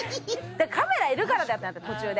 カメラいるからだよって途中で。